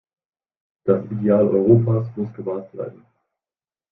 Das Ideal Europas muss gewahrt bleiben.